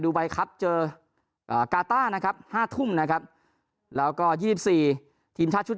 ไบครับเจอกาต้านะครับ๕ทุ่มนะครับแล้วก็๒๔ทีมชาติชุด